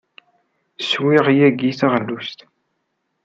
Swiɣ yagi taɣlust.